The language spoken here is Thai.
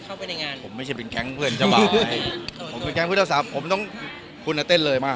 กชบไว้ฉันได้รองเพลงเขามีวงบอยแบนของเขาอยู่